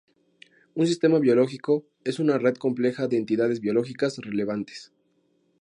Un sistema biológico es una red compleja de entidades biológicas relevantes.